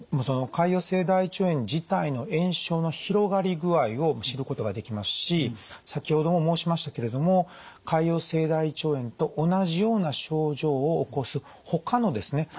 その潰瘍性大腸炎自体の炎症の広がり具合を知ることができますし先ほども申しましたけれども潰瘍性大腸炎と同じような症状を起こす他のですね